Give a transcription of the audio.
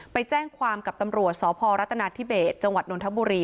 ไปแจ้งความกับตำรวจสพรัฐนาธิเบสจังหวัดนทบุรี